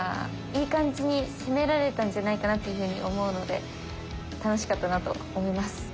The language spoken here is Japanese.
いい感じに攻められたんじゃないかなっていうふうに思うので楽しかったなと思います。